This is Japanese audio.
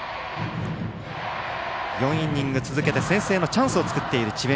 ４イニング続けて先制のチャンスを作っている智弁